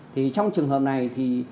thì trong trường hợp này thì